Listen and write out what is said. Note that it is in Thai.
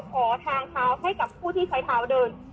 ขอทางเท้าให้กับผู้ที่ใช้เท้าเดิน